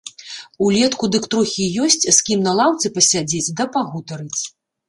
Улетку дык трохі ёсць, з кім на лаўцы пасядзець да пагутарыць.